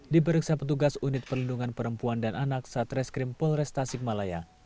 diperiksa petugas unit perlindungan perempuan dan anak satreskrim polres tasikmalaya